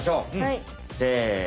せの。